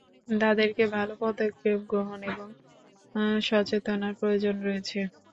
তাদেরকে ভাল পদক্ষেপ গ্রহণ এবং সচেতনতার প্রয়োজন রয়েছে।